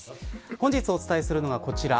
本日お伝えするのはこちら。